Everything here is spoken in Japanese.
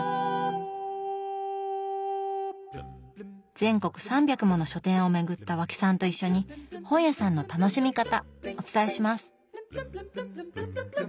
全国３００もの書店を巡った和氣さんと一緒に本屋さんの楽しみ方お伝えします！